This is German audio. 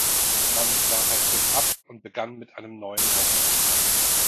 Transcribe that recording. Dann brach er kurz ab und begann mit einem neuen Ruck.